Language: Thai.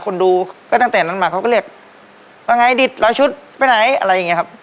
คนดูก็ตั้งแต่นั้นมาเขาก็เรียกว่าไงดิดร้อยชุดไปไหนอะไรอย่างเงี้ยครับ